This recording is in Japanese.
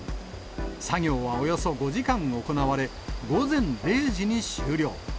作業はおよそ５時間行われ、午前０時に終了。